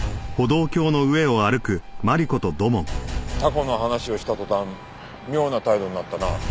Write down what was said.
タコの話をした途端妙な態度になったな。